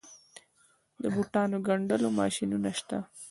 د بوټانو ګنډلو ماشینونه شته